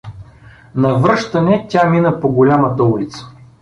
На връщане тя мина по голямата улица.